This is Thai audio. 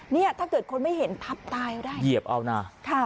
เนี่ยถ้าเกิดคนไม่เห็นพับตายก็ได้เหยียบเอานะ